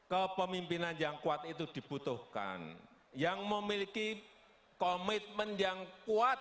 kepemimpinan yang kuat itu dibutuhkan yang memiliki komitmen yang kuat